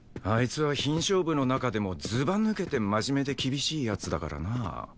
あいつは品証部の中でもずば抜けて真面目で厳しい奴だからな。